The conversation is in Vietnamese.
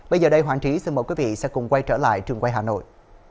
bây giờ đây hoàng trí xin mời quý vị sẽ cùng quay trở lại trường quay hà nội